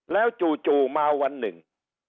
แล้วจู่มาวันหนึ่ง